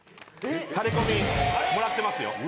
タレコミもらってますよ。